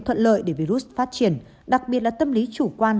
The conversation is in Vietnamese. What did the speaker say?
thuận lợi để virus phát triển đặc biệt là tâm lý chủ quan